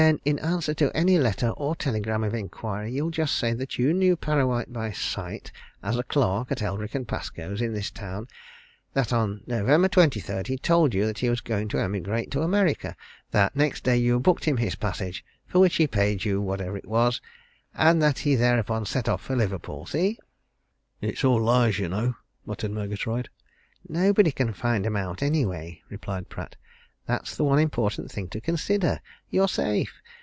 "Then in answer to any letter or telegram of inquiry you'll just say that you knew Parrawhite by sight as a clerk at Eldrick & Pascoe's in this town, that on November 23rd he told you that he was going to emigrate to America, that next day you booked him his passage, for which he paid you whatever it was, and that he thereupon set off for Liverpool. See?" "It's all lies, you know," muttered Murgatroyd. "Nobody can find 'em out, anyway," replied Pratt. "That's the one important thing to consider. You're safe!